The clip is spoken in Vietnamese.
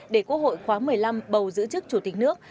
để quốc hội khóa một mươi năm bầu giữ chức chủ tịch nước